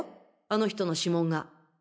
あの人の指紋が。